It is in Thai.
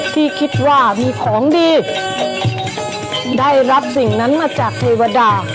ที่คิดว่ามีของดีได้รับสิ่งนั้นมาจากเทวดา